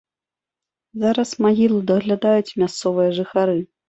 Зараз магілу даглядаюць мясцовыя жыхары.